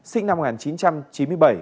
sinh năm một nghìn chín trăm chín mươi bảy